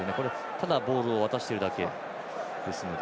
ただ、ボールを渡しているだけですので。